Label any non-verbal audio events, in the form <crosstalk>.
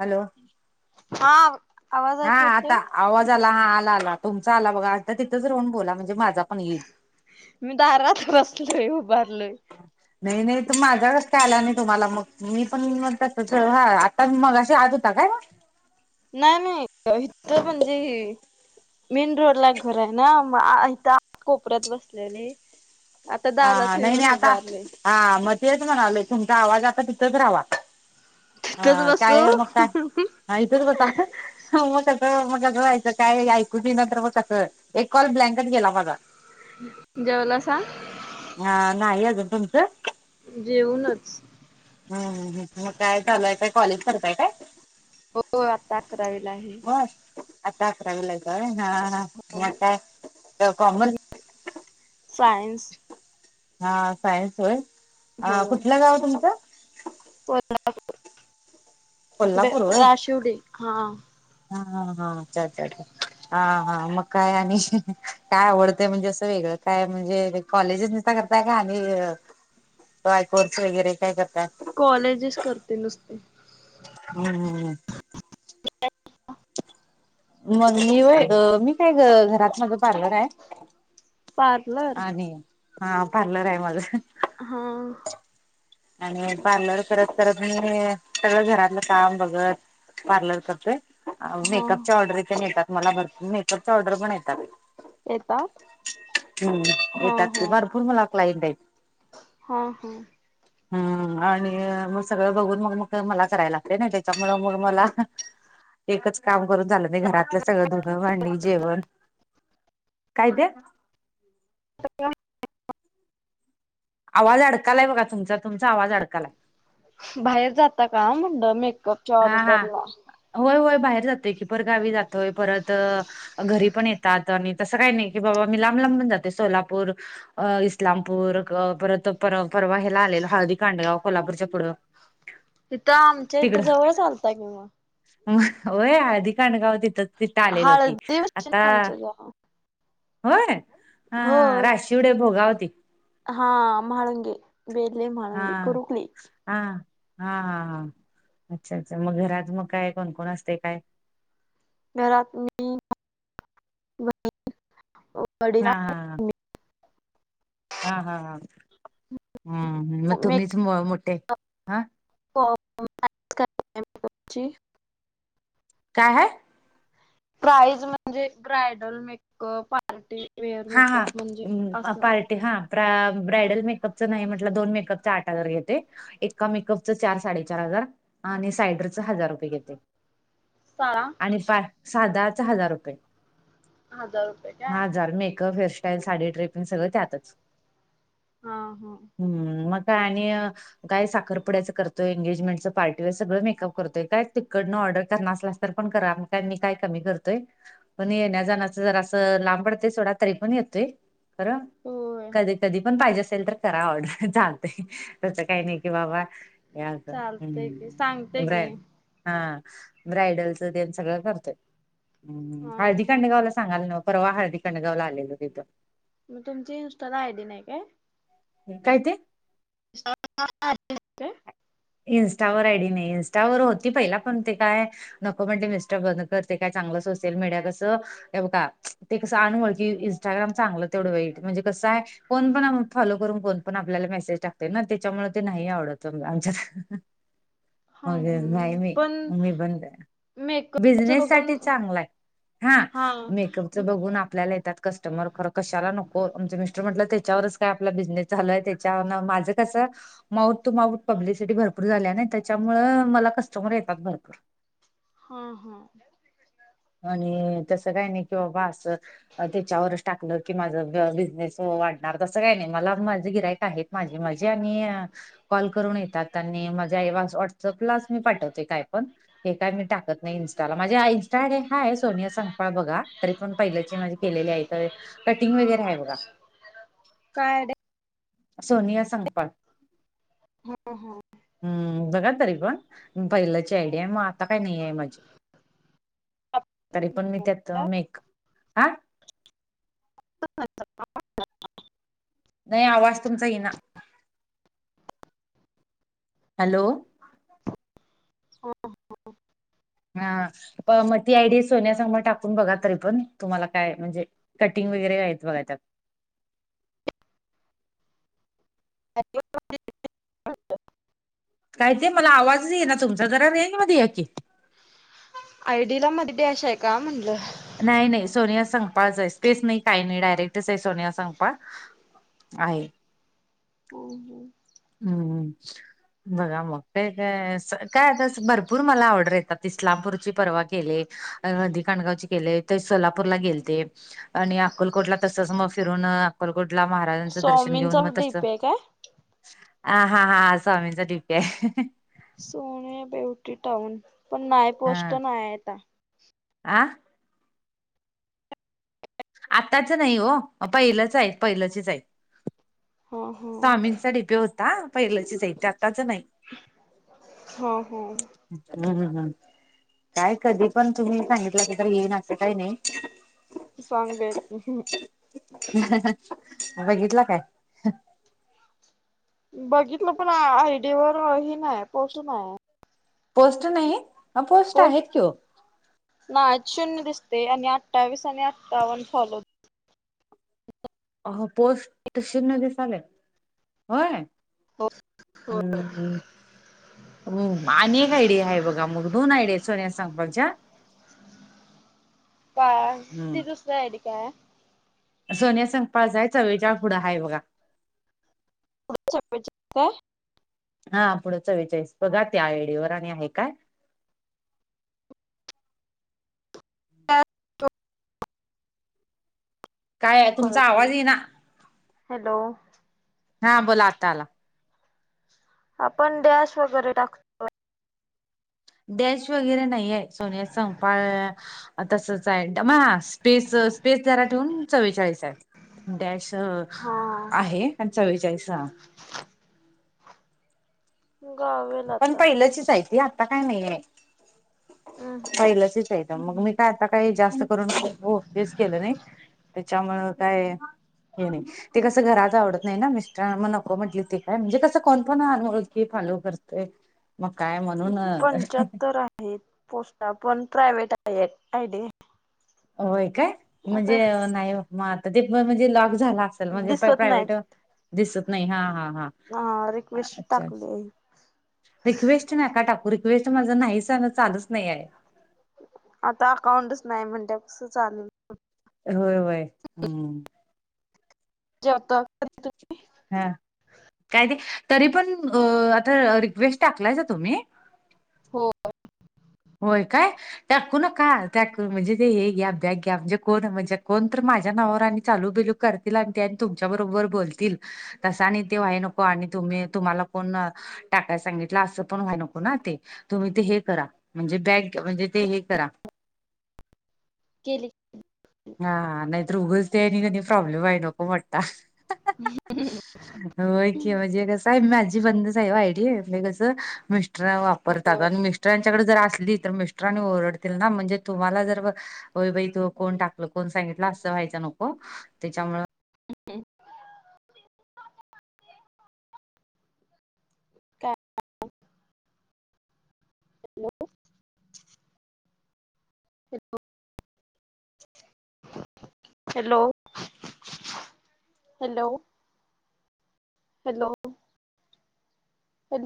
Hello हा आवाज हा ऐकू आता येतोय? आवाज आला हा आला आला तुमचा आला बघा आता तिथंच राहून बोला म्हणजे माझा पण येईल. मी दारात बसलोय उभारलोय नाही नाही तर माझ्या कसं काय आला नाही तुम्हाला मग मी पण तसच हा आता आणि मगाशी आत होता काय नाही नाही इथं म्हणजे ही मेन रोडला घर आहे ना मग इथं आत कोपऱ्यात बसलेले. आता हा हा दारात येऊन नाही नाही आता उभारले हा म तेच म्हणालोय तुमचा आवाज आता तिथंच राह्वा तिथच काय मग आणि बसू काय हा इथंच बसा मग कसं मग कसं व्हायचं काय ऐकूच येइना तर मग कसं एक कॉल ब्लँकच गेला बघा जेवलासा हा नाही अजून तुमचं जेवूनच हम् मग काय चालू हाय काय कॉलेज करताय काय? हो आता अकरावीला आहे. बर आता अकरावीला हाय काय हा हा मग काय तर कॉमर्स सायन्स हा सायन्स होय कुठलं गाव तुमचं ते ना इकडे कोल्हापूर इकडं होय राशीवडी हा हा हा हा अच्छा अच्छा अच्छा हा हा मग काय आणि हीं हीं काय आवडतंय म्हणजे असं वेगळं काय म्हणजे. कॉलेजच नुसता करताय का आणि काय कोर्स वगैरे काय करताय. कॉलेजेच करतोय नुसतं हम् हम ह ह <inaudible> मग अ मी काय घ घरात माझं पार्लर आहे. पार्लर आणि हा पार्लर आहे माझं हं हां. आणि पार्लर करत करत मी सगळं घरातलं काम बघत पार्लर करते हा मेकअपच्या ऑर्डरी पन येतात मला भरपुर मेकअपच्या ऑर्डरी पण येतात. येतात हम्म हा येतात ते हा भरपूर मला क्लाइंट आहेत. हा हा. हम्म आणि मग सगळं बघून मग मग काय मला कराय लागतय नाही त्याच्यामुंळ मग मला एकच काम करून चालंत नाही घरातलं सगळं धुनं, भांडी जेवण. काय ते? आवाज अडकालाय बघा तुमचा तुमचा आवाज अडकालाय. बाहेर जाता का म्हणलं मेकअप हा हा होय होय बाहेर जातोय की परगावी जातोय परत घरी पण येत तात आणि तसं काही नाही की बाबा मी लांब लांब पण जाते सोलापूर अ इस्लामपूर क परत परवा परवा ह्याला आलेलो हळदी कांडगाव. कोल्हापूरच्या पुढं तिथं आमच्या इथं जवळच आलता कि मग. म होय हळदी कांडगाव तिथं तिथं आलेलो की हळदी बसते आता ना आमच्या गावात होय अ होय राशिवडं भोगावती. हा म्हाळुंगी. बेले म हा. हा हा हा हा अच्छा अच्छा मग घरात मग काय कोण कोण असते काय? घरात मी <inaudible> हा हा. हा हा ह हम्म मग तुम्हीच मोठे, हा मेकअपची काय हाय? प्राईज म्हणजे ब्रायडल मेकअप, पार्टीवेअर हा हा मेकअप म्हणजे अ असं. पार्टी हा ब्रा ब्रायडल मेकअपच नाही म्हटलं दोन मेकअपच आठ हजार घेते. एका मेकअपचं चार साडेचार हजार आणि सायडरच हजार रुपये घेते. <unintelligible> आणि साधाचा हजार रुपये, हजार रुपये काय हा हजार makeup, hairstyle, sari draping, सगळं त्यातच. हा हम्म. हम्म मग काय आणि काय साखरपुड्याचं करतोय, एंगेजमेंटचं पार्टी, व सगळ मेकअप करतोय काय तिकडंन ऑर्डर करणारच अस. तरीपण करा मी काय कमी करतोय पण येण्या जाण्याच जरास लांब पडतय सोडा तरी पण येतोय खरं होय कधी कधी पण पाहिजे असेल तर करा ऑर्डर चालतय, तस काही नाही की बाबा चालतय की सांगते की <unintelligible> हा ब्रायडलच तेन सगळं करतोय. हा हम्म हळदी हा काडगावला सांगाल न परवा हळदी काडगावला आलेलो तिथं. मग तुमची इंस्टा ला आयडी नाही काय? काय ते? <unintelligible> इन्स्टावर आयडी नाही इन्स्टावर होती पहिला पण ते काय नको म्हटले मिस्टर बंद कर ते काय चांगलं सोशल मीडिया कसं हे बघा ते कसं अनवळकी इंस्टाग्राम चांगलं तेवढं वाईट म्हणजे कसं आहे कोण पण फॉलो करून कोण पण आपल्याला मेसेज टाकतय ना, त्याच्यामुळे ते नाही आवडत आमच्यात. <inaudible> हा मग नाही हम्म मी पण मी बंद मेकअपच बिझनेस बघून साठी चांगला हाय. हा मेकअपच बघून आपल्याला येतात कस्टमर खरं कशाला नको आमचं मिस्टर म्हटलं, त्याच्यावरच काय आपला बिझनेस झालय त्याच्यावरण माझं कसं माऊट तू माऊट पब्लिसिटी भरपूर झालीय ना, त्याच्यामुळ मला कस्टमर येतात भरपूर. हा हा आणि तसं काय नाही किंवा बाबा असं त्याच्यावरच टाकलं की माझं बिझनेस वाढणार तसं काय नाही मला माझं गिरायक आहेत. माझी माझी आणि कॉल करून येत त्यात आणि माझ्या व्हॉट्सअपलाच मी पाठवते काय पण. हे काय मी टाकत नाही इनस्टाला माझी आय हाय सोनिया संगपाळ बघा तरी पण पहिल्याचे माझे केलेली आहे. कटिंग वगैरे आहे बघा. काय हाय आय डी हाय? सोनिया संगपाळ हम्म बघा तरी पण. पहिल्याची आयडि हाय मग आता काही नाहीय माझी, तरी पण मी त्यात मेक, आ. <unintelligible> नाही आवाज तुमचा इना. हॅलो. हा हा. <inaudible> हा प म ती आयडी सोनिया संपाळ टाकून बघा तरी, पण तुम्हाला काय म्हणजे कटिंग वगैरे आहेत बघा त्यात <unintelligible> काय ते? मला आवाजच येईना तुमचा. जरा रेंज मध्ये या की. आयडी ला मध्ये डॅश आहे का म्हणलं? नाही नाही, सोनिया संकपाळच हाय. स्पेस नाही काही नाही, डायरेक्टच आहे सोनिया संकपाळ आहे. <unintelligible> हू हू. बघा मग, काय आता काय आता भरपूर मला आर्डर येतात. इस्लामपूरची परवा केली. हळदी कांडगावची केलते, ते सोलापूरला गेलते. आणि अक्कलकोटला तसच मग फिरून अकलकोटला महाराजांचं दर्शन घेऊन स्वामींचा मग तस डीपी आहे काय हा हा हा. स्वामींचा डीपी हाय. सोने ब्युटी टाऊन, पण नाही पोस्ट, नाही ये आता. आं आत्ताच नाही ओ, पहिलच हायित, पहिलाचच हायित. हा हा स्वामींचा डिपि होता. पहिल्याचीच हायित, ते आताच नाही. हो हो. हू हू. काय कधी पण तुम्ही सांगितला की, तर येईनं काही नाही. सांगुया कि. <inaudible> बघितला काय? बघितलं पण आयडीवर हे नाही, पोस्ट नाही हाय. पोस्ट नाही? आहेत पोस्ट कि ओ नाहीत, शून्य दिसतय आणि अठ्ठावीस आणि अठ्ठावन्न फॉलोवर्स अ पोस्ट शून्य दिसालय? होय, हो हू हो हू. हू आणि एक आयडि हाय बघा. मग दोन आयडि सोनिया संकपाळ च्या? काय? ती हम्म दुसरी आयडी काय हाय. सोनिया संकपाळ चं हाय, चवेचाळ पुढं हाय बघा. पुढ चवेचाळ काय? हा पुढं चवेचाळीस बघा त्या आयडीवर आणि हाय काय? करत ते काय तुमचा कळत आवाज न्हाय. येईना हॅलो. हा बोला, आता आला. आपण डॅश वगैरे टाकतोय. डॅश वगैरे नाहीये सोनिया संकपाळ तसच हाय म स्पेस स्पेस जरा ठेवून चव्वेचाळीस हाय. डॅश हा आहे आणि चव्वेचाळीस हा. गावेल पण आता पयलचीच हाय ती, आता काय नाहीेये. हम्म पहिलंचीच आहे त मग मी काय आता काही जास्त करून हो तेच केलं नाही तेच्यामुळं काय हे नाही ते कसं घरात आवडत नाही ना मिस्टर म नको म्हटलीत ते काय म्हणजे कसं कोण पण आनोळखी फालो करतय, म काय म पंच्याहत्तर आहे पोस्टा पण प्रायव्हेट आहे आय डी. व्हय काय? म्हणजे नाही म आता ते पण म्हणजे लॉक झाल आस लं म्हणजे प दिसत नाहीत प्रायव्हेट दिसत नाही, हा हा हा. अ रिक्वेस्ट अच्छा, टाकली रिक्वेस्ट नका टाकू, री क्वेस्ट माझ नाहीच त्यानं चालूच नाही हाय. आता अकाऊंटच नाही म्हणल्यावर कसं चालु होय होय हुं, जेवतो <unintelligible> हा काय ते तरी पण अ आता रिक्वेस्ट टाकलायसा तुम्ही? होय. होय काय? टाकू नका टाकू म्हणजे ते हे घ्या बॅक घ्या म्हणजे कोण म्हणजे कोण तर माझ्या नावावर आणि चालू बिलू करतील आणि ते आणि तुमच्या बरोबर बोलतील, तसं आणि ते व्हाय नको, आणि तुम्ही तुम्हाला कोण टाकाय सांगितलं आसं पण व्हाय नको ना ते, तुम्ही ते हे करा म्हणजे बॅक म्हणजे ते हे करा केले. हां नाहीतर ऊगचं ते आणि कणी प्रॉब्लेम व्हाय नको मोठा. व्हय की म्हणजे कसं काय माझी बंदच आहे ओ आयडी, मी कसं मिस्टर वापरता आगं आणि मि मिस्टरांच्याकड जर आसली तर मिस्टर आणि ओरडतील ना म्हणजे तुम्हाला जर होय बाई तू कोण टाक लं कोण सांगितलं आसं व्हायचं नको तेच्यामुळं काय <unintelligible> हॅलो! हॅलो! हॅलो! हॅलो.